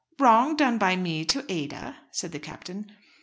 "Wrong done by me to Ada!" said the Captain.